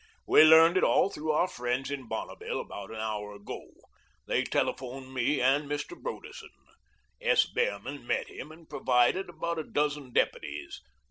We learned it all through our friends in Bonneville about an hour ago. They telephoned me and Mr. Broderson. S. Behrman met him and provided about a dozen deputies.